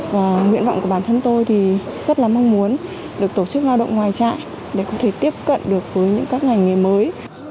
và nguyện vọng của bản thân tôi thì rất là mong muốn được tổ chức lao động ngoài trại để có thể tiếp cận được với những các ngành nghề mới